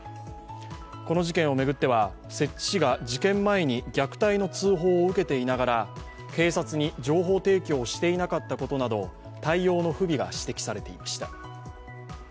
この事件を巡っては、摂津市が事件前に虐待の通報を受けていながら警察に情報提供をしていなかったことなど対応の不備が指摘されていました。